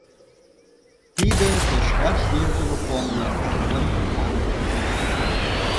— Тиде кочкаш йӧрдымӧ поҥго, эргым! — маныт нуно...